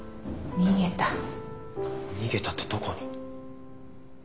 逃げたってどこに？